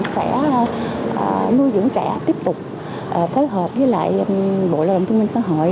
sẽ nuôi dưỡng trẻ tiếp tục phối hợp với bộ lợi đồng thông minh xã hội